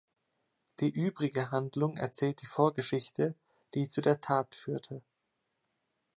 Die übrige Handlung erzählt die Vorgeschichte, die zu der Tat führte.